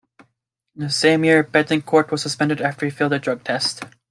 In the same year Betancourt was suspended after he failed a drug test.